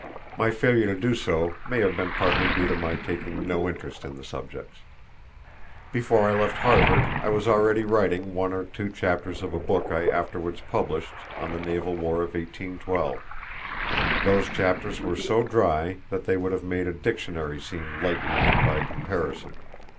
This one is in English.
My failure to do so may have been partly due to my taking no interest in the subjects. Before I left Harvard I was already writing one or two chapters of a book I afterwards published on the Naval War of 1812. Those chapters were so dry that they would have made a dictionary seem light reading by comparison.